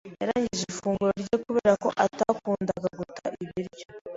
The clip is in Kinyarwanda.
Yarangije ifunguro rye kubera ko atakundaga guta ibiryo.